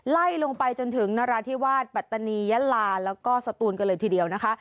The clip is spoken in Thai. ไล่ลงไปจนถึงนราธิวาสปัตตานียะลาแล้วก็สตูนกันเลยทีเดียวนะคะ